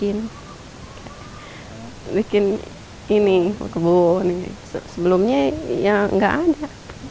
dibuat ini kebun sebelumnya tidak ada